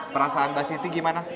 perasaan mbak siti gimana